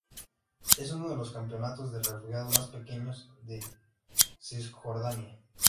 Es uno de los campamentos de refugiados más pequeños de Cisjordania.